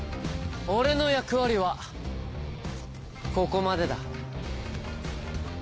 俺の役割はここまでだ。